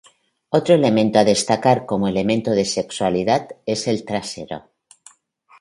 Otro elemento a destacar como elemento de sexualidad es el trasero.